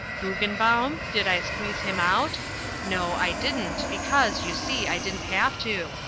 Guggenbaum? Did I squeeze him out? No, I didn't because, you see, I didn't have to.